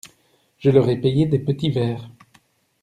Je leur ai payé des petits verres.